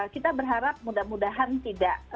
kita berharap mudah mudahan tidak